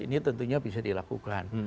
ini tentunya bisa dilakukan